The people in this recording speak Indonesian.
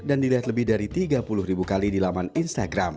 dan dilihat lebih dari tiga puluh kali di laman instagram